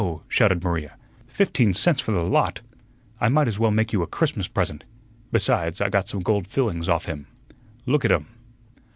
shouted Maria. "Fifteen cents for the lot! I might as well make you a Christmas present! Besides, I got some gold fillings off him; look at um."